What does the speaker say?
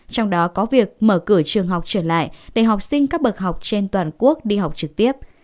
trong đó có việc mở cửa trường học trở lại để học sinh các bậc học trên toàn quốc đi học trực tiếp